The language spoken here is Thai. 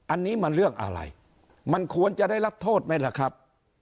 อันนี้มันเรื่องอะไรมันควรจะได้รับโทษไหมล่ะครับ